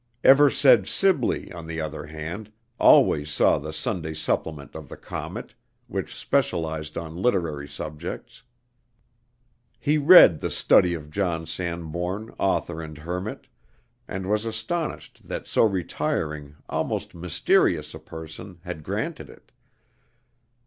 Eversedge Sibley, on the other hand, always saw the Sunday supplement of the Comet, which specialized on literary subjects. He read the "Study of John Sanbourne, Author and Hermit," and was astonished that so retiring, almost mysterious a person, had granted it.